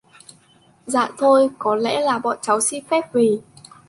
Dạ thôi Có lẽ là bọn cháu xin phép về